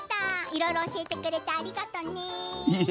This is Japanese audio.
いろいろ教えてくれてありがとうね。